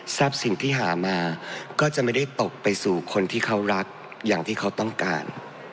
สิ่งที่หามาก็จะไม่ได้ตกไปสู่คนที่เขารักอย่างที่เขาต้องการ